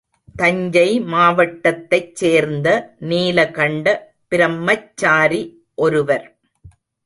தஞ்சை மாவட்டத்தைச் சேர்ந்த நீலகண்ட பிரம்மச்சாரி ஒருவர்.